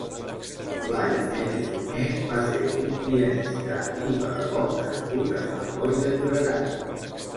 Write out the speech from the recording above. Blai Net i Sunyer va ser un pianista i pedagog nascut a Sant Boi de Llobregat.